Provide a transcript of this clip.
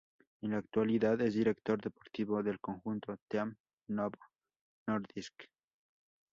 En la actualidad es director deportivo del conjunto Team Novo Nordisk.